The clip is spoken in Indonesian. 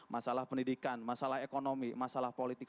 masalah pendidikan masalah ekonomi masalah politik